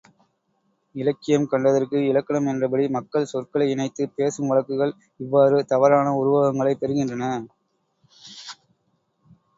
இலக்கியம் கண்டதற்கு இலக்கணம் என்றபடி, மக்கள் சொற்களை இணைத்துப் பேசும் வழக்குகள், இவ்வாறு தவறான உருவங்களைப் பெறுகின்றன.